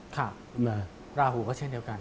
ราหูก็เช่นเดียวกัน